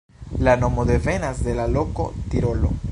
La nomo devenas de la loko Tirolo.